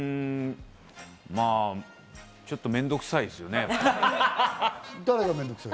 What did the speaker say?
うん、まぁちょっと面倒くさいですよね。